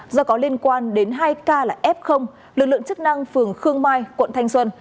do có liên quan đến hai ca là f lực lượng chức năng phường khương mai quận thanh xuân